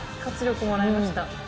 活力をもらいました。